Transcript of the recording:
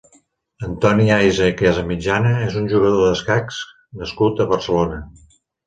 Antoni Ayza i Casamitjana és un jugador d'escacs nascut a Barcelona.